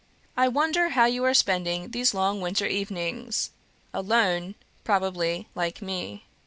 "I wonder how you are spending these long winter evenings. Alone, probably, like me.